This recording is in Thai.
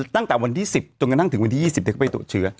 ตั้งแต่วันที่๑๐จนกระทั่งถึงวันที่๒๐ที่เขาไปตรวจเชื้อ